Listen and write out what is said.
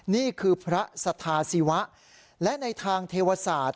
นี่คือพระสัทธาศิวะและในทางเทวศาสตร์